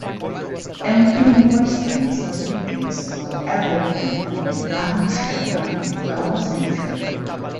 È un film western statunitense con Errol Flynn, Ann Sheridan e Thomas Mitchell.